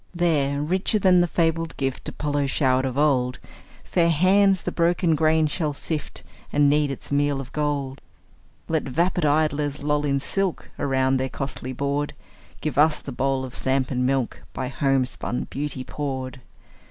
There, richer than the fabled gift Apollo showered of old, Fair hands the broken grain shall sift, And knead its meal of gold. Let vapid idlers loll in silk Around their costly board; Give us the bowl of samp and milk, By homespun beauty poured!